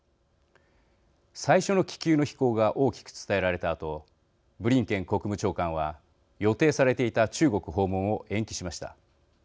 最初の気球の飛行が大きく伝えられたあとブリンケン国務長官は予定されていた中国訪問を延期しました。